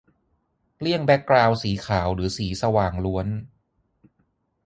-เลี่ยงแบคกราวนด์สีขาวหรือสีสว่างล้วน